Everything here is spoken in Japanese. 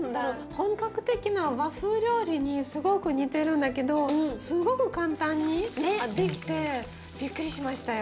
本格的な和風料理にすごく似てるんだけどすごく簡単にできてびっくりしましたよ。